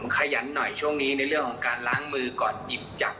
ขยันหน่อยช่วงนี้ในเรื่องของการล้างมือก่อนหยิบจับ